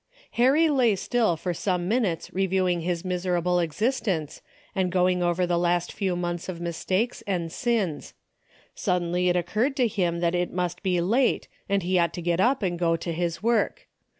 Harry lay still for some minutes reviewing his miserable existence, and going over the last few months of mistakes and sins. Sud denly it occurred to him that it must be late and he ought to get up and go to his work.